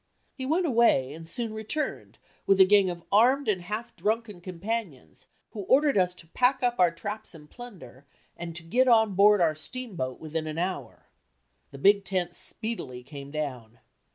He went away and soon returned with a gang of armed and half drunken companions who ordered us to pack up our "traps and plunder" and to get on board our steamboat within an hour. The big tent speedily came down.